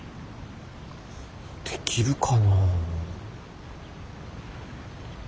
できるかなあ。